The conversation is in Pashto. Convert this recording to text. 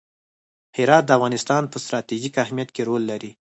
هرات د افغانستان په ستراتیژیک اهمیت کې رول لري.